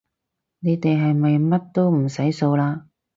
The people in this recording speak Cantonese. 你哋係咪乜都唔使掃嘞